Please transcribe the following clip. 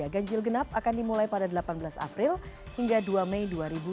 ganjil genap akan dimulai pada delapan belas april hingga dua mei dua ribu dua puluh